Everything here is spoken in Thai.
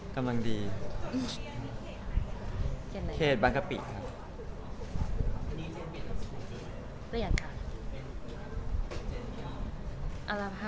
กำลังดีเคศบังกะปิครับ